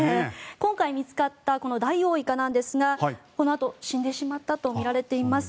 今回見つかったこのダイオウイカなんですがこのあと死んでしまったとみられています。